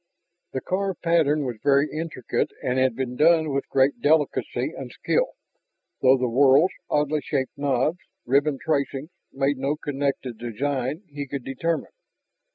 The carved pattern was very intricate and had been done with great delicacy and skill, though the whorls, oddly shaped knobs, ribbon tracings, made no connected design he could determine.